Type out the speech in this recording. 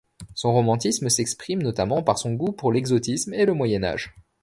Son romantisme s'exprime notamment par son goût pour l'exotisme et le Moyen Âge.